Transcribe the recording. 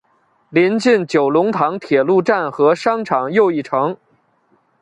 邻近九龙塘铁路站和商场又一城。